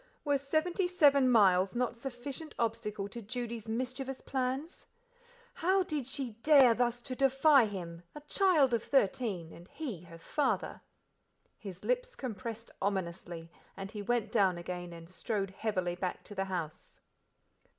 Were seventy seven miles not sufficient obstacle to Judy's mischievous plans? How did she dare thus to defy him, a child of thirteen: and he her father? His lips compressed ominously, and he went down again and strode heavily back to the house.